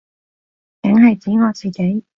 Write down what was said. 梗係指我自己